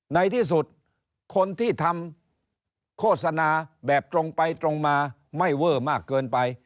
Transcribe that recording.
ในที่สุดคนที่ทำโฆษณาแบบตรงไปตรงมาไม่เวอร์มากเกินไป